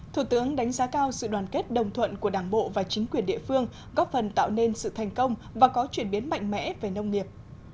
thủ tướng đánh giá cao sự đoàn kết đồng thuận của đảng bộ và chính quyền địa phương góp phần tạo nên sự thành công và có chuyển biến mạnh mẽ về nông nghiệp